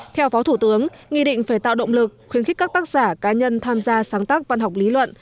theo phó thủ tướng nghị định phải tạo động lực khuyến khích các tác giả cá nhân tham gia sáng tác văn học lý luận